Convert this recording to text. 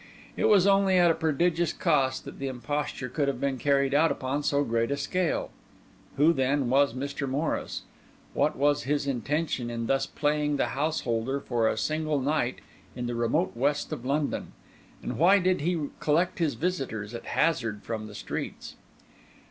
It was only at a prodigious cost that the imposture could have been carried out upon so great a scale. Who, then, was Mr. Morris? What was his intention in thus playing the householder for a single night in the remote west of London? And why did he collect his visitors at hazard from the streets?